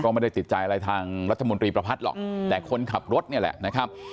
ไม่ได้ติดใจอะไรทางรัฐมนตรีประพัทธ์หรอกแต่คนขับรถนี่แหละนะครับ